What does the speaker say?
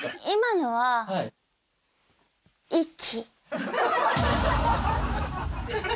今のは、息。